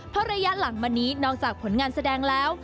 เพราะระยะหลังมานี้นอกจากผลงานแสดงแล้ว